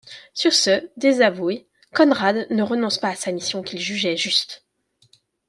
Sur ce, désavoué, Conrad ne renonce pas à sa mission qu'il jugeait juste.